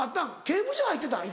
刑務所入ってたん？